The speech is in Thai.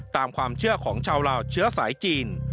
ตามความเชื่อของชาวลาวเชื้อสายจีน